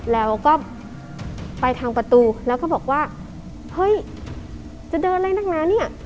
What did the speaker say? แล้วก็ไปทางประตูแล้วก็บอกว่าเฮ้ยจะเดินอะไรนักนะเนี่ย